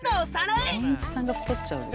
謙一さんが太っちゃうよ。